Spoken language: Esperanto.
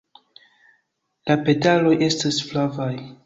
La petaloj estas flavaj.